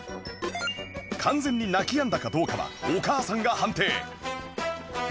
完全に泣き止んだかどうかはお母さんが判定